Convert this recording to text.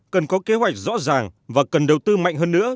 cần có kế hoạch rõ ràng và cần đầu tư mạnh hơn nữa